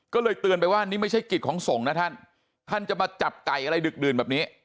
ก็เลยเตือนไปว่านี่ไม่ใช่กิจของสงฆ์นะท่านท่านจะมาจับไก่อะไรดึกดื่นแบบนี้